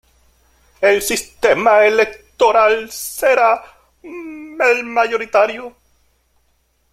El sistema electoral será el mayoritario.